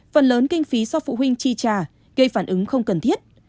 phần lớn kinh phí do phụ huynh chi trả gây phản ứng không cần thiết